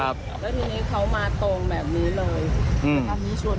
แล้วทีนี้เขามาตรงแบบนี้เลยนะคะ